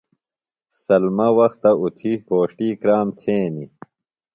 سلمہ وختہ اُتھیۡ گھوݜتی کرام تھینیۡ ۔